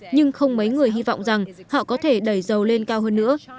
nhưng không mấy người hy vọng rằng họ có thể đẩy dầu lên cao hơn nữa